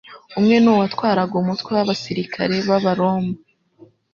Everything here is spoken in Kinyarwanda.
umwe ni uwatwaraga umutwe w'abasirikari b'Abaroma,